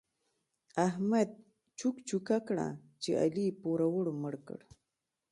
احمد چوک چوکه کړه چې علي پوروړو مړ کړ.